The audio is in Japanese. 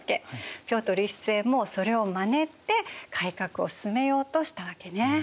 ピョートル１世もそれをまねて改革を進めようとしたわけね。